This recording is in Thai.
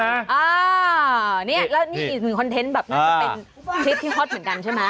อ่านี่คอนเทนต์แบบน่าจะเป็นคลิปที่ฮอตเหมือนกันใช่ไหม